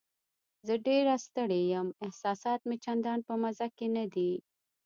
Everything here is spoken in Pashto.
زه ډېره ستړې یم، احساسات مې چندان په مزه کې نه دي.